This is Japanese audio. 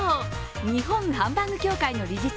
日本ハンバーグ協会の理事長